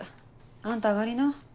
あんた上がりな。